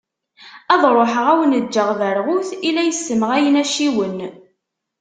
Ad ruḥeγ ad awen-ğğeγ berγut i la yessemγayen acciwen.